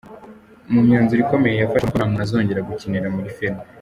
Mu myanzuro ikomeye yafashe ngo ni uko nta muntu azongera gukinira muri film.